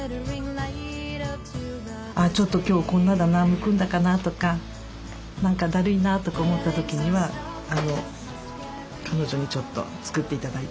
ちょっと今日こんなだなむくんだかなとか何かだるいなとか思った時には彼女にちょっと作って頂いたのを飲んだり。